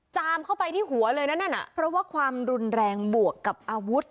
จามเข้าไปที่หัวเลยนั่นน่ะเพราะว่าความรุนแรงบวกกับอาวุธ